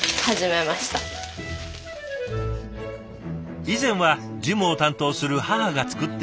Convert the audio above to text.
以前は事務を担当する母が作っていたというまかない。